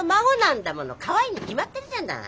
かわいいに決まってるじゃない。